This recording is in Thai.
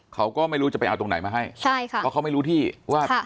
เขาก็ไม่รู้จะไปเอาตรงไหนมาให้ใช่ค่ะเพราะเขาไม่รู้ที่ว่า